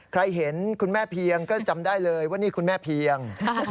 เห็นคุณแม่เพียงก็จำได้เลยว่านี่คุณแม่เพียง